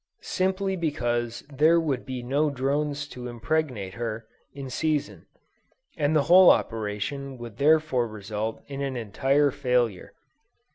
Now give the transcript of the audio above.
Simply because there would be no drones to impregnate her, in season; and the whole operation would therefore result in an entire failure.